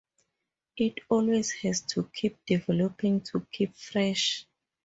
It always has to keep developing to keep fresh.